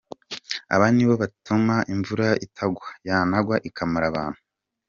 Aba nibo batuma imvura itagwa yanagwa ikamara abantu.